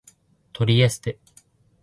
トリエステ